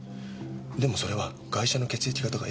でもそれはガイシャの血液型がＡ型ですから。